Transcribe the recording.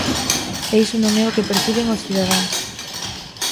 E iso non é o que perciben os cidadáns.